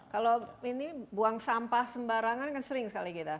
kalau ini buang sampah sembarangan kan sering sekali kita